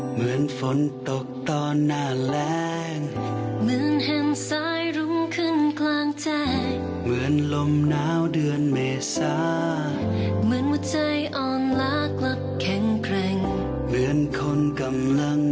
เหมือนไงนั้นกลายเป็นดีมากเหมือน